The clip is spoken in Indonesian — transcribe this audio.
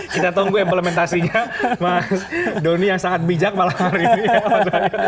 kita tunggu implementasinya mas doni yang sangat bijak malam hari ini ya mas